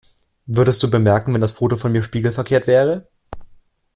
Würdest du bemerken, wenn das Foto von mir spiegelverkehrt wäre?